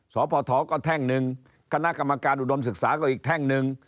สพก็แท่งหนึ่งคณะกรรมการอุดมศึกษาก็อีกแท่งหนึ่ง